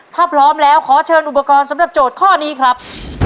ถ้าพร้อมแล้วขอเชิญอุปกรณ์สำหรับโจทย์ข้อนี้ครับ